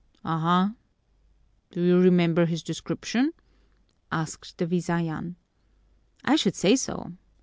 "Aha! Do you remember his description?" asked the Visayan. "I should say so!